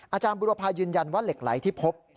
อาจารย์บุรพายืนยันว่าเหล็กไหลที่พบ